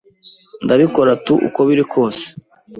Ndabikora tu uko biri kose